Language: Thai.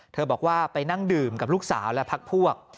บอกว่าไปนั่งดื่มกับลูกสาวและพักพวก